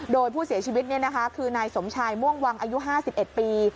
โดยผู้เสียชีวิตคือนายสมชายม่วงวังอายุ๕๑ปี